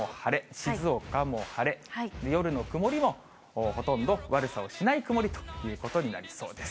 静岡も晴れ、夜の曇りもほとんど悪さをしない曇りということになりそうです。